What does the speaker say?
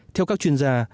theo các chuyên gia